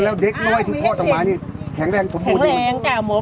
แล้วเด็กน้อยที่พอดังมานี่แข็งแรงสมบูรณ์